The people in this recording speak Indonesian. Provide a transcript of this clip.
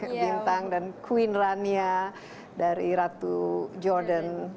bintang dan queen rania dari ratu jordan